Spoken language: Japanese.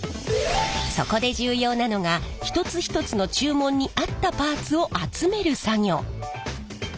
そこで重要なのが一つ一つの注文に合ったパーツを集める作業！